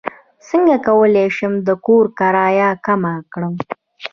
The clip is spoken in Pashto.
څنګه کولی شم د کور کرایه کمه کړم